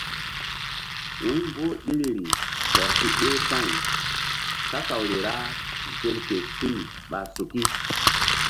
Wu̧y mboh iriri tɔr si ɗeh pa̧y kasawri ra zel ke suy ɓa suki.